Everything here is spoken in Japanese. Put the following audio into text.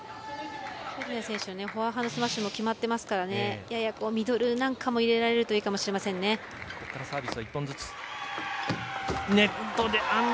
フェルネ選手のフォアハンドスマッシュも決まっていますからややミドルなんかも入れられるといいですね。